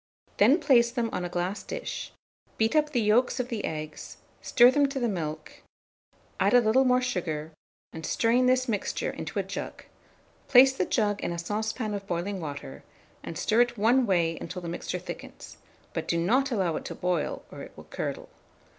Then place them on a glass dish, beat up the yolks of the eggs, stir to them the milk, add a little more sugar, and strain this mixture into a jug; place the jug in a saucepan of boiling water, and stir it one way until the mixture thickens, but do not allow it to boil, or it will curdle.